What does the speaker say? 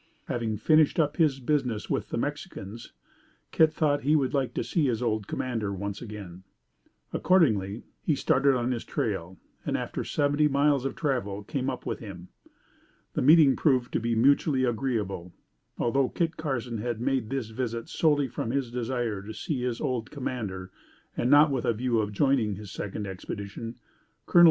Having finished up his business with the Mexicans, Kit thought he would like to see his old commander once again. Accordingly, he started on his trail: and, after seventy miles of travel, came up with him. The meeting proved to be mutually agreeable. Although Kit Carson had made this visit solely from his desire to see again his old commander and not with a view of joining his second expedition, Col.